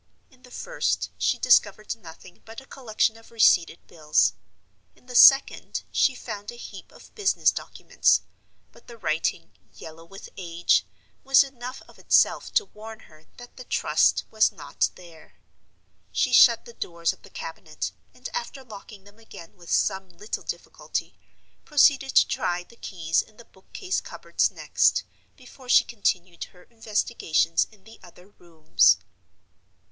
In the first, she discovered nothing but a collection of receipted bills. In the second, she found a heap of business documents; but the writing, yellow with age, was enough of itself to warn her that the Trust was not there. She shut the doors of the cabinet, and, after locking them again with some little difficulty, proceeded to try the keys in the bookcase cupboards next, before she continued her investigations in the other rooms.